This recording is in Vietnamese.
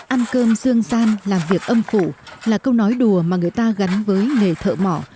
ăn cơm dương gian làm việc âm phụ là câu nói đùa mà người ta gắn với nghề thợ mỏ